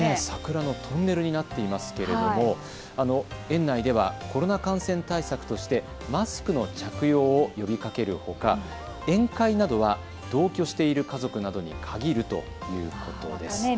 桜のトンネルになっていますけれども園内ではコロナ感染対策としてマスクの着用を呼びかけるほか宴会などは同居している家族などに限るということです。